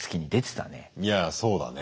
いやそうだね。